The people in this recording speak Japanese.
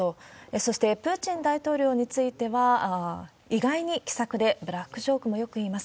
そしてプーチン大統領については、意外に気さくで、ブラックジョークもよく言います。